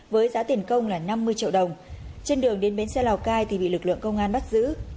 với giá tiền công là năm mươi triệu đồng trên đường đến bến xe lào cai thì bị lực lượng công an bắt giữ